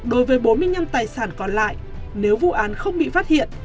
đối với bốn mươi năm tài sản còn lại nếu vụ án không bị phát hiện